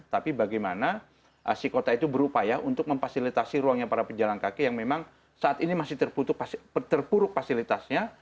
tapi bagaimana si kota itu berupaya untuk memfasilitasi ruangnya para pejalan kaki yang memang saat ini masih terpuruk fasilitasnya